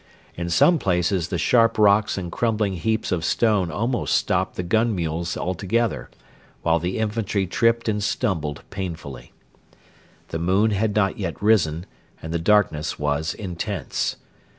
In some places the sharp rocks and crumbling heaps of stone almost stopped the gun mules altogether, while the infantry tripped and stumbled painfully. The moon had not risen, and the darkness was intense.